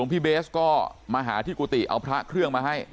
เบสก็มาหาที่กุฏิเอาพระเครื่องมาให้